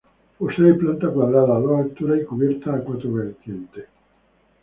Posee planta cuadrada, dos alturas y cubierta a cuatro vertientes.